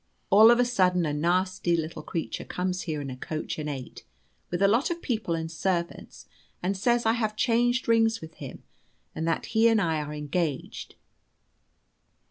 All of a sudden a nasty little creature comes here in a coach and eight, with a lot of people and servants, and says I have changed rings with him, and that he and I are engaged.